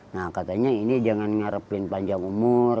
nah katanya ini jangan ngarepin panjang umur